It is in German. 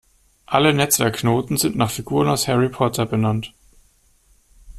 Alle Netzwerkknoten sind nach Figuren aus Harry Potter benannt.